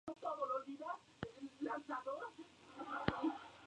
Tras una estancia en dicho instituto, obtuvo la licenciatura en Teología.